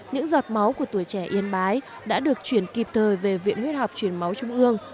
những giọt máu của tuổi trẻ yên bái đã được chuyển kịp thời về viện huyết học truyền máu trung ương